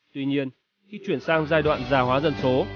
tuy nhiên khi chuyển sang giai đoạn già hóa dân số